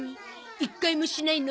一回もしないの？